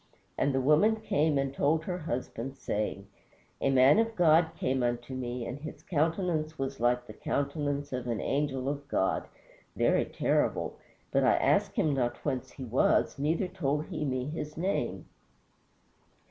And the woman came and told her husband, saying, "A man of God came unto me, and his countenance was like the countenance of an angel of God, very terrible; but I asked him not whence he was, neither told he me his name."